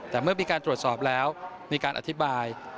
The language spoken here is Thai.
แต่เมื่อมีการตรวจสอบแล้วมีการอธิบาย